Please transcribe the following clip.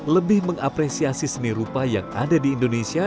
lebih mengapresiasi seni rupa yang ada di indonesia